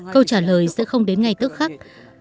câu trả lời sẽ không đến ngay tức khắc